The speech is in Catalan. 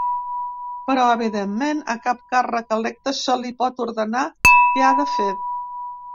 Però evidentment a cap càrrec electe se li pot ordenar què ha de fer.